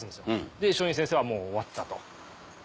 で松陰先生はもう終わったと。